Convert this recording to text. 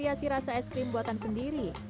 hiasi rasa es krim buatan sendiri